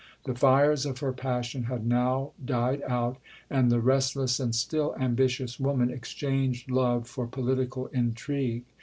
The fires of her passion had now died out, and the restless and still ambitious woman exchanged love for political intrigue.